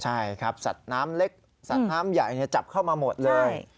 ใช่ครับสัตว์น้ำเล็กสัตว์น้ำใหญ่จับเข้ามาหมดเลย